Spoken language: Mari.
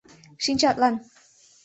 Шинчатлан